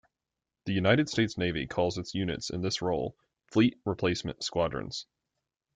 The United States Navy calls its units in this role "fleet replacement squadrons".